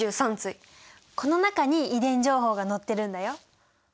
この中に遺伝情報がのってるんだよ。